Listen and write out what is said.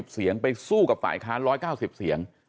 เสียงไปสู้กับฝ่ายค้าน๑๙๐เสียง